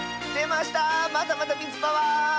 またまたみずパワー！